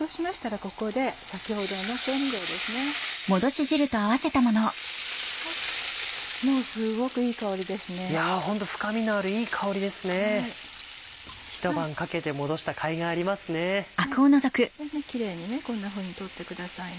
これでキレイにこんなふうに取ってくださいね。